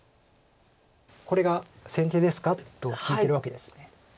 「これが先手ですか？」と聞いてるわけです。